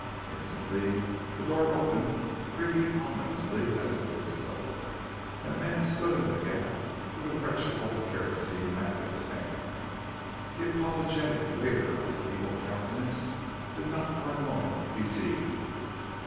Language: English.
Instantly the door opened, creaking ominously as it did so, and a man stood in the gap with a wretched old kerosene lamp in his hand. The apologetic leer on his evil countenance did not for a moment deceive me.